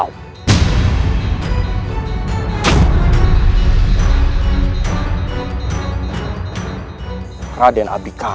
dan menangkan mereka